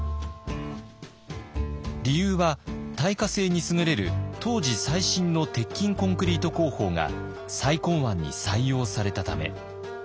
理由は耐火性に優れる当時最新の鉄筋コンクリート工法が再建案に採用されたため。